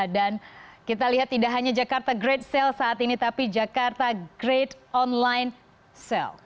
dan kita lihat tidak hanya jakarta great sale saat ini tapi jakarta great online sale